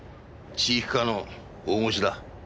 地域課の大越だ。